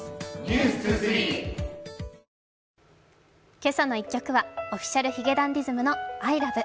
「けさの１曲」はＯｆｆｉｃｉａｌ髭男ｄｉｓｍの「ＩＬＯＶＥ．．．」。